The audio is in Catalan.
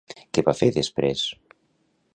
Què va fer després?